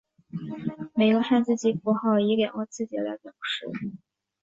每个汉字及符号以两个字节来表示。